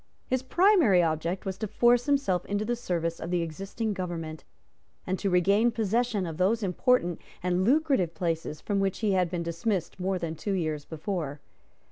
His primary object was to force himself into the service of the existing government, and to regain possession of those important and lucrative places from which he had been dismissed more than two years before.